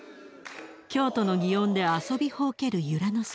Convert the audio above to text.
京都の園で遊びほうける由良之助。